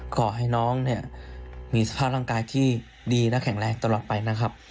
ขอให้น้องเนี่ยมีสภาพร่างกายที่ดีและแข็งแรงตลอดไปนะครับ